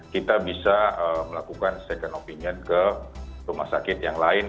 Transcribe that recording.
kita bisa melakukan second opinion ke rumah sakit yang lain